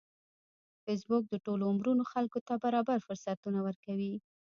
فېسبوک د ټولو عمرونو خلکو ته برابر فرصتونه ورکوي